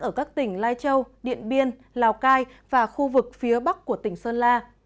ở các tỉnh lai châu điện biên lào cai và khu vực phía bắc của tỉnh sơn la